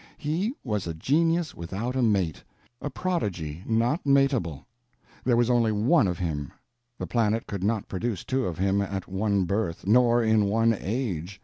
He was a genius without a mate, a prodigy not matable. There was only one of him; the planet could not produce two of him at one birth, nor in one age.